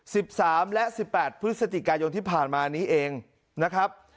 สิบสามและสิบแปดพฤศจิกายนที่ผ่านมานี้เองนะครับ